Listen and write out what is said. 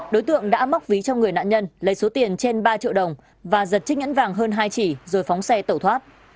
đối tượng đã móc ví cho người nạn nhân lấy số tiền trên ba triệu đồng và giật chiếc nhẫn vàng hơn hai chỉ rồi phóng xe tẩu thoát